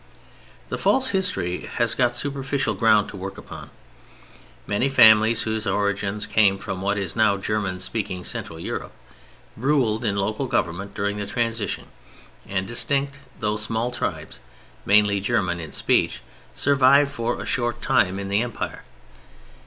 The false history has got superficial ground to work upon. Many families whose origins came from what is now German speaking Central Europe ruled in local government during the transition, and distinct though small tribes, mainly German in speech, survived for a short time in the Empire.